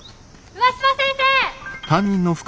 上嶋先生！